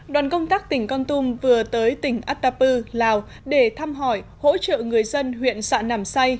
đoàn công tác tỉnh con tum vừa tới tỉnh atapu lào để thăm hỏi hỗ trợ người dân huyện sạn nàm say